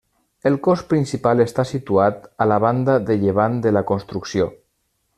El cos principal està situat a la banda de llevant de la construcció.